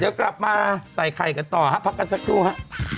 เดี๋ยวกลับมาใส่ไข่กันต่อฮะพักกันสักครู่ฮะ